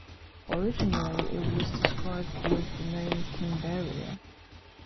Originally it was described with the name "Kimberia".